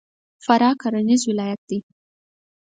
فراه کرهنیز ولایت دی.